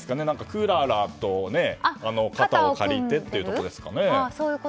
クララと肩を借りてというところですかね。